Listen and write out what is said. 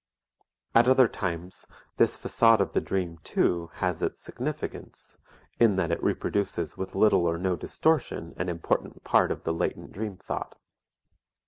At other times this facade of the dream, too, has its significance, in that it reproduces with little or no distortion an important part of the latent dream thought.